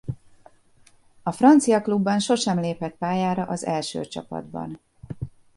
A francia klubban sosem lépett pályára az első csapatban.